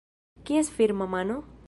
Kies firma mano?